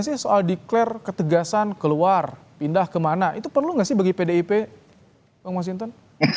apa sih soal declare ketegasan keluar pindah kemana itu perlu nggak sih bagi pdip bang masinton